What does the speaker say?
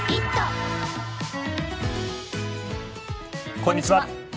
こんにちは。